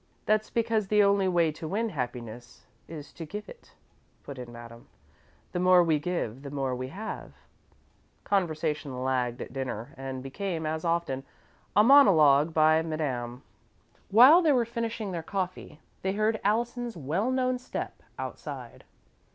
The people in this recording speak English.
"That's because the only way to win happiness is to give it," put in Madame. "The more we give, the more we have." Conversation lagged at dinner, and became, as often, a monologue by Madame. While they were finishing their coffee, they heard Allison's well known step outside.